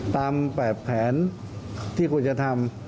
ตามแบบแผนที่ควรจะทำ